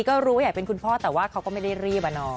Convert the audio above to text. ก็รู้อยากเป็นคุณพ่อแต่ว่าเขาก็ไม่ได้รีบอะเนาะ